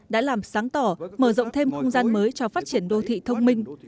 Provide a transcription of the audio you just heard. đã làm sáng tỏ mở rộng thêm không gian mới cho phát triển đô thị thông minh